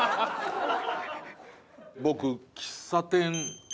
僕喫茶店。